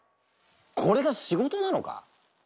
これが仕事なのか！？